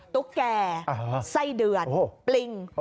ตุ๊กแก่ไส้เดือนปลิง